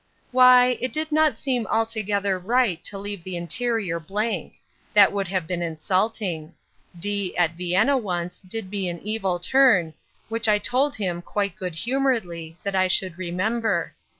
"Why—it did not seem altogether right to leave the interior blank—that would have been insulting. D——, at Vienna once, did me an evil turn, which I told him, quite good humoredly, that I should remember.